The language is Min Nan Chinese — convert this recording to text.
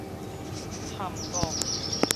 譀古